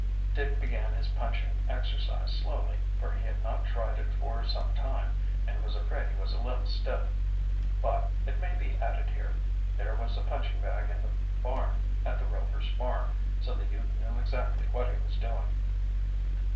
Dick began his punching exercise slowly, for he had not tried it for some time, and was afraid he was a little stiff. But, it may be added here, there was a punching bag in the barn at the Rovers' farm, so the youth knew exactly what he was doing.